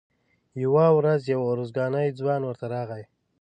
یوه ورځ یو ارزګانی ځوان ورته راغی.